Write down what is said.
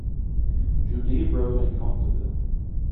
Judée road in Conteville